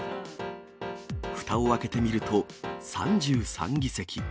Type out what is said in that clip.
ふたを開けてみると、３３議席。